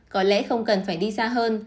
có lẽ không cần phải đi xa hơn